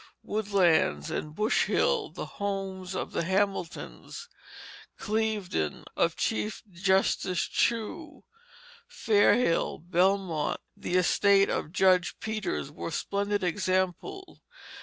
Woodlands and Bush Hill, the homes of the Hamiltons, Cliveden, of Chief Justice Chew, Fair Hill, Belmont, the estate of Judge Peters, were splendid examples.